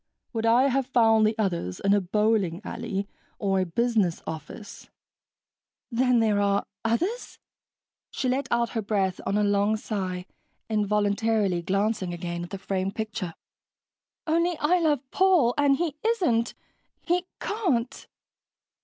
Would I have found the others in a bowling alley or a business office?" "Then there are ... others?" She let out her breath on a long sigh involuntarily glancing again at the framed picture. "Only I love Paul, and he isn't ... he can't...."